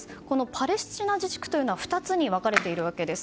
パレスチナ自治区は２つに分かれているわけです。